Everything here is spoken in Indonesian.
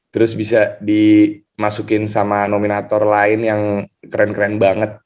terus bisa dimasukin sama nominator lain yang keren keren banget